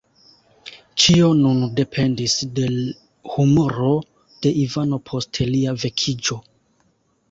Ĉio nun dependis de l' humoro de Ivano post lia vekiĝo.